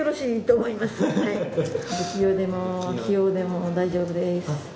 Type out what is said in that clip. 不器用でも器用でも大丈夫です。